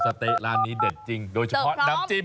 เต๊ะร้านนี้เด็ดจริงโดยเฉพาะน้ำจิ้ม